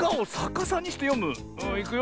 いくよ。